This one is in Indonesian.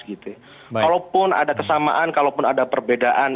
kalaupun ada kesamaan kalaupun ada perbedaan